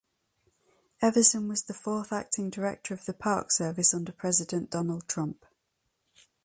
Everson was the fourth acting director of the Park Service under President Donald Trump.